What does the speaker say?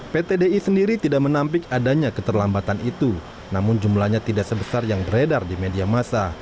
pt di sendiri tidak menampik adanya keterlambatan itu namun jumlahnya tidak sebesar yang beredar di media masa